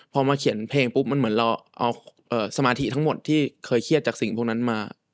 พอมาเขียนเพลงปุ๊บมันเหมือนเราเอาสมาธิทั้งหมดที่เคยเครียดจากสิ่งพวกนั้นมา